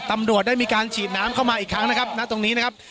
ตำรวจได้มีการฉีดน้ำเข้ามาอีกครั้งนะครับณตรงนี้นะครับ